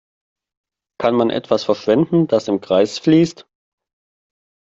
Kann man etwas verschwenden, das im Kreis fließt?